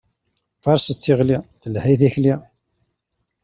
Faṛset tiɣli, telha i tilkli.